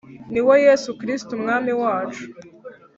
ni we Yesu Kristo Umwami wacu.